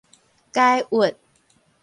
解鬱